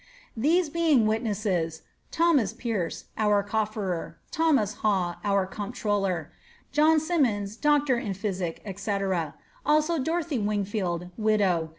"These being witnesses, Thomas Perce, our cofferer, Thomas Ha we, our iomptroller, John Symomis, doctor in physic, d&c. ; also Dorothy Wingfield, iridow.